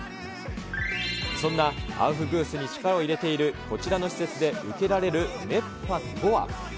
そんなアウフグースに力を入れているこちらの施設で受けられる熱波とは。